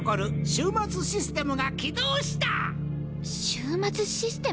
終末システム？